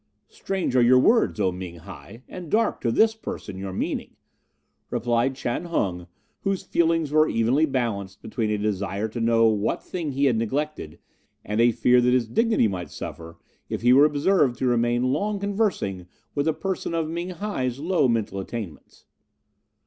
"'Strange are your words, O Ming hi, and dark to this person your meaning,' replied Chan Hung, whose feelings were evenly balanced between a desire to know what thing he had neglected and a fear that his dignity might suffer if he were observed to remain long conversing with a person of Ming hi's low mental attainments.